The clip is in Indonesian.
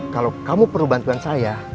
kalau kamu perlu bantuan saya